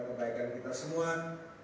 dan nanti kita akan berbicara